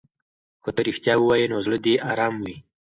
که ته رښتیا ووایې نو زړه دې ارام وي.